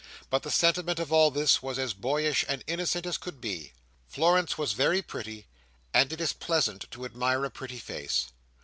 But the sentiment of all this was as boyish and innocent as could be. Florence was very pretty, and it is pleasant to admire a pretty face.